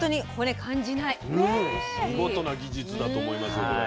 見事な技術だと思いますよこれ。